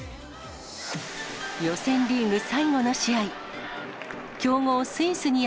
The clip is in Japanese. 予選リーグ最後の試合。